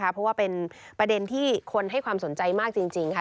เพราะว่าเป็นประเด็นที่คนให้ความสนใจมากจริงค่ะ